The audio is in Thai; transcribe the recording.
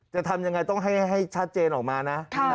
จะทำยังไงต้องให้ชัดเจนออกมานะ